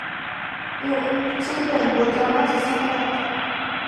Юҡ, Сципион, был драматик сәнғәт.